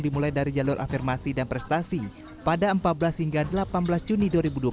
dimulai dari jalur afirmasi dan prestasi pada empat belas hingga delapan belas juni dua ribu dua puluh